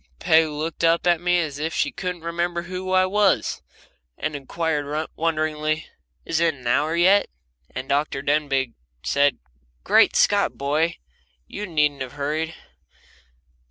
Peg looked up at me as if she couldn't remember who I was, and inquired, wonderingly: "Is it an hour yet?" And Dr. Denbigh said, "Great Scott! boy, you needn't have hurried!"